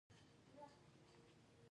انسانان باید تل دنورو سره همکار اوسې